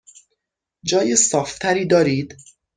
جای صاف تری دارید؟